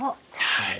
はい。